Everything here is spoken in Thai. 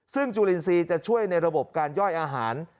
ซึ่งจุลินทรีย์จะช่วยในระบบการย่อยอาหาร